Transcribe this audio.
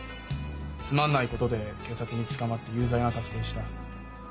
つまんないことで警察に捕まって有罪が確定した。